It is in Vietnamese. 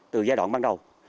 từ giai đoạn ban đầu